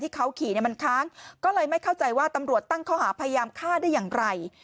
เขาขี่มันค้างก็เลยไม่เข้าใจว่าตำรวจตั้งข้อหาพยายามฆ่าได้อย่างไร